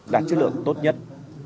đạt chất lượng tốt nhất